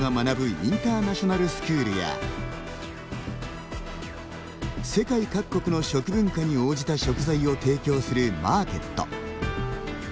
インターナショナルスクールや世界各国の食文化に応じた食材を提供するマーケット。